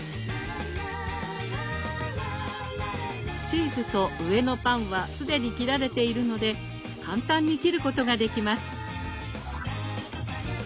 チーズと上のパンは既に切られているので簡単に切ることができます。